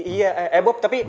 iya eh bob tapi